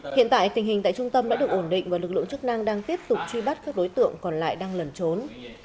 hiện tại tình hình tại trung tâm đã được ổn định và lực lượng chức năng đang tiếp tục truy bắt các đối tượng còn lại đang lẩn trốn